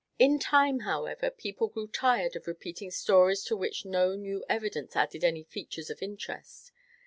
In time, however, people grew tired of repeating stories to which no new evidence added any features of interest.